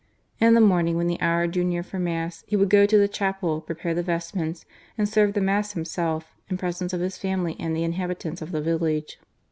In the morning when the hour drew near for Mass, he would go to the chapel, prepare the vestments and serve the Mass himself, in presence of his family and the inhabitants of the village.